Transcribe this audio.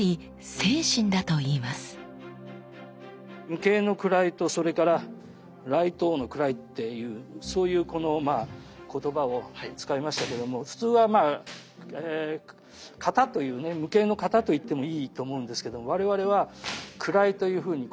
無形の位とそれから雷刀の位っていうそういうこの言葉を使いましたけども普通はまあ型というね無形の型と言ってもいいと思うんですけど我々は位というふうに言葉を使って。